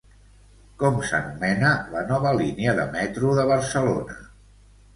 Com s'anomena la nova línia de metro de Barcelona?